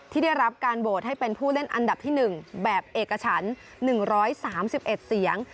ที่ได้รับการโหวตให้เป็นผู้เล่นอันดับที่๑แบบเอกฉัน๑๓๑เสียง